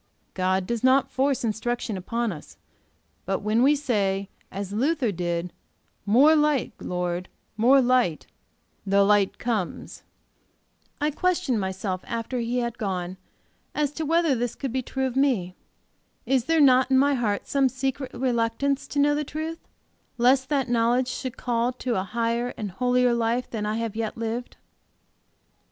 God does not force instruction upon us, but when we say, as Luther did, 'More light, Lord, more light,' the light comes." I questioned myself after he had gone as to whether this could be true of me. Is there not in my heart some secret reluctance to know the truth, lest that knowledge should call to a higher and holier life than I have yet lived?